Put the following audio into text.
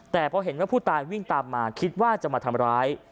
แต่พอเห็นว่าผู้ตายวิ่งตามมาคิดว่าจะมาทำร้าย